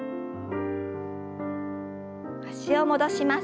脚を戻します。